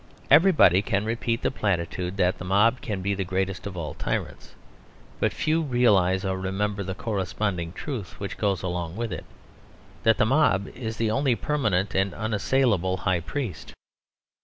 Everybody can repeat the platitude that the mob can be the greatest of all tyrants. But few realise or remember the corresponding truth which goes along with it that the mob is the only permanent and unassailable high priest.